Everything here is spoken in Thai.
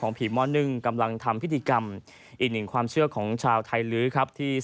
นางสิริพรบุญเบืองยาอายุ๕๑ปี